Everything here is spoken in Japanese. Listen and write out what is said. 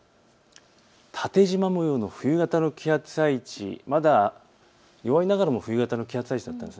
縦じま模様の冬型の気圧配置、まだ弱いながらも冬型の気圧配置です。